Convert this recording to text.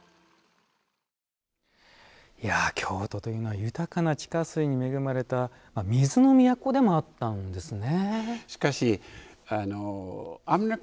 京都というのは豊かな地下水に恵まれた水の都でもあったんですね。